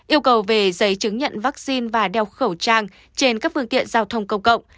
yêu cầu về giấy chứng nhận vaccine và đeo khẩu trang trên các phương tiện giao thông công cộng